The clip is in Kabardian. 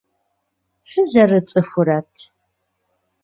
Фызэрыцӏыхурэт?